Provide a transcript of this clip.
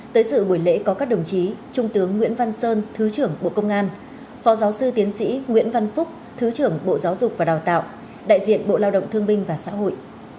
tới sự buổi lễ có các đồng chí trung tướng nguyễn văn sơn thứ trưởng bộ công an phó giáo sư tiến sĩ nguyễn văn phúc thứ trưởng bộ giáo dục và đào tạo đại diện bộ lao động thương binh và xã hội